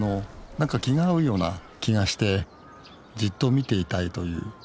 何か気が合うような気がしてじっと見ていたいという。